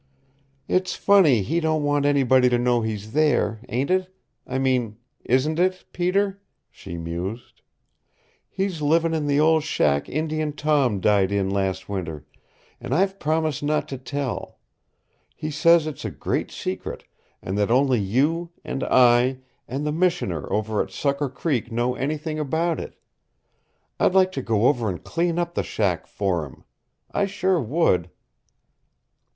"It's funny he don't want anybody to know he's there, ain't it I mean isn't it, Peter?" she mused. "He's livin' in the old shack Indian Tom died in last winter, and I've promised not to tell. He says it's a great secret, and that only you, and I, and the Missioner over at Sucker Creek know anything about it. I'd like to go over and clean up the shack for him. I sure would."